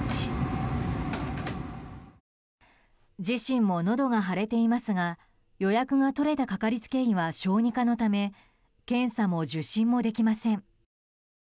自身ものどが腫れていますが予約が取れた、かかりつけ医は小児科のため検査も受診もできません。